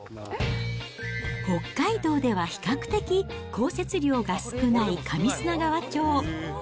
北海道では比較的降雪量が少ない上砂川町。